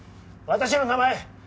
私の名前！